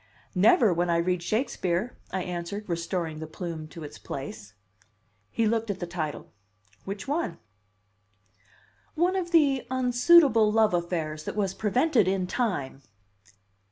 "Never when I read Shakespeare," I answered restoring the plume to its place. He looked at the title. "Which one?" "One of the unsuitable love affairs that was prevented in time."